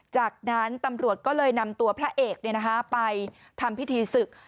จากนั้นตำรวจก็เลยนำตัวพระเอกไปทำพิธีศึก